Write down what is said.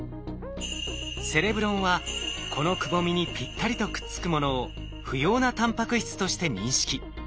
セレブロンはこのくぼみにぴったりとくっつくものを不要なタンパク質として認識。